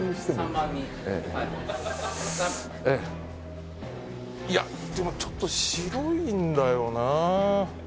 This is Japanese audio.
３番にはいええいやでもちょっと白いんだよな